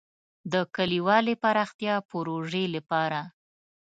د کلیوالي پراختیا پروژې لپاره.